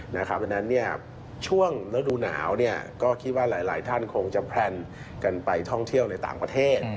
เพราะฉะนั้นช่วงฤดูหนาวก็คิดว่าหลายท่านคงจะแพลนกันไปท่องเที่ยวในต่างประเทศ